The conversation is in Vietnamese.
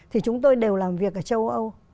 thì chúng tôi đều làm việc ở châu âu